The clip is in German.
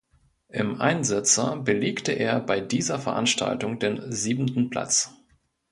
Im Einsitzer belegte er bei dieser Veranstaltung den siebenten Platz.